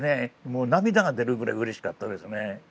もう涙が出るぐらいうれしかったですね。